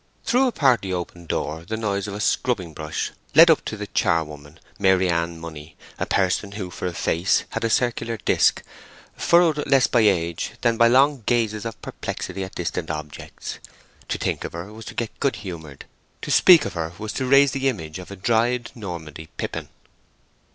Through a partly opened door the noise of a scrubbing brush led up to the charwoman, Maryann Money, a person who for a face had a circular disc, furrowed less by age than by long gazes of perplexity at distant objects. To think of her was to get good humoured; to speak of her was to raise the image of a dried Normandy pippin.